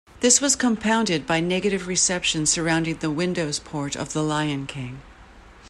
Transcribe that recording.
This was compounded by negative reception surrounding the Windows port of "The Lion King".